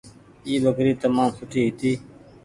اي ٻڪري تمآم سوٺي هيتي۔